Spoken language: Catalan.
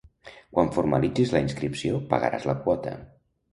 Quan formalitzis la inscripció pagaràs la quota.